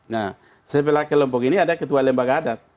nah sebelah kelompok ini ada ketua lembaga adat